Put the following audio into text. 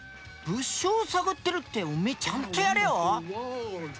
物証を探ってるっておめえちゃんとやれよ？